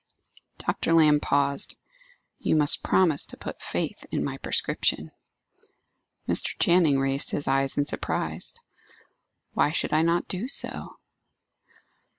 Dr. Lamb paused. "You must promise to put faith in my prescription." Mr. Channing raised his eyes in surprise. "Why should I not do so?"